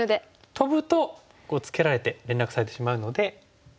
トブとツケられて連絡されてしまうので。